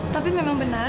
tapi memang benar